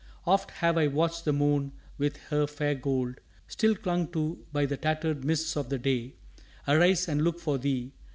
2 Oft have I watched the moon with her fair gold Still clung to by the tattered mists of day Arise and look for thee.